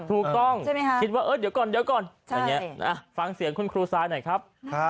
ถูกต้องคิดว่าเออเดี๋ยวก่อนฟังเสียงคุณครูซายหน่อยครับ